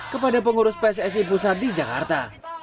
kepada pengurus pssi pusat di jakarta